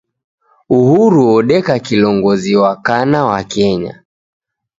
Uhuru odeka kilongozi wa kana wa kenya.